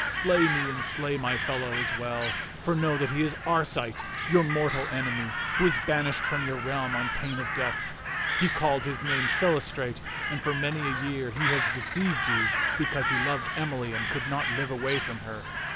Slay me and slay my fellow as well ; for know that he is Arcite, your mortal enemy, who is banished from your realm on pain of death. He called his name Philostrate, and for many a year he has deceived you. because he loved Emily and could not live away from her.